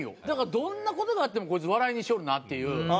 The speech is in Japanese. だからどんな事があってもこいつ笑いにしよるなっていう。